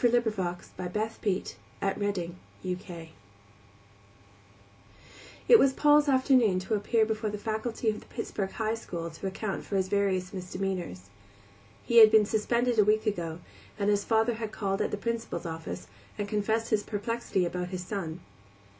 Paul's Case A Study in Temperament It was Paul's afternoon to appear before the faculty of the Pittsburgh High School to account for his various misdemeanors. He had been suspended a week ago, and his father had called at the Principal's office and confessed his perplexity about his son.